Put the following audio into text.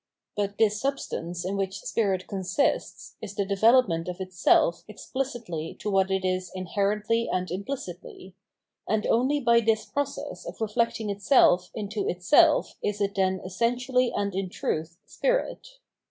But this substance in which spirit consists, is the development of itself expUcitly to what it is inherently and imphcitly ; and only by this process of reflecting itself into itsefl is it then essentially and in truth spirit.